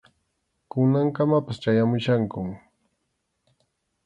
Kunankamapas chayamuchkankum.